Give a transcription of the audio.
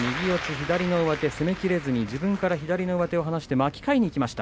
左の上手で攻めきれずに自分から左の上手を離して巻き替えにいきました。